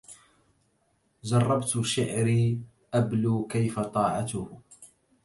جربت شعري أبلو كيف طاعته